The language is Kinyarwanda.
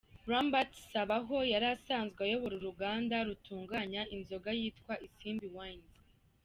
Lambert Sabaho yari asanzwe ayobora uruganda rutunganya inzoga yitwa Isimbi Wines.